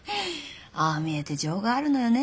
ああ見えて情があるのよね